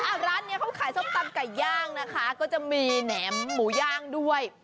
ร้านเนี้ยเขาขายส้มตำไก่ย่างนะคะก็จะมีแหนมหมูย่างด้วย